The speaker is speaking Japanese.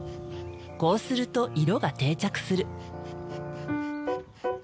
こうすると色が定着する。